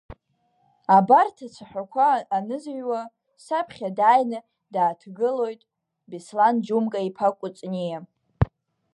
Абарҭ ацәаҳәақәа анызыҩуа саԥхьа дааины дааҭгылоит Беслан Џьумка-иԥа Кәыҵниа.